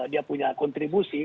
dia punya kontribusi